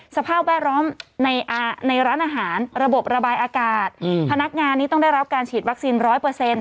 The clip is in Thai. สภาพแวดล้อมในร้านอาหารระบบระบายอากาศพนักงานนี้ต้องได้รับการฉีดวัคซีนร้อยเปอร์เซ็นต